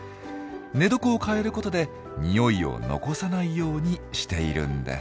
寝床を替えることで匂いを残さないようにしているんです。